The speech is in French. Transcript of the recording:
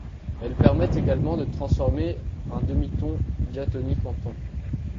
Elles permettent également de transformer un demi-ton diatonique en ton.